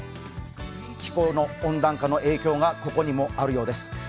気候の温暖化の影響がここにもあるようです。